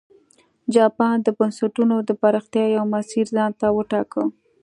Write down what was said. جاپان د بنسټونو د پراختیا یو مسیر ځان ته وټاکه.